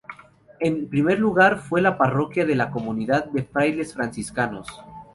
En primer lugar fue la parroquia de una comunidad de frailes franciscanos.